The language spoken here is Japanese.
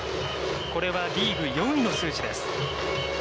これはリーグ４位の数字です。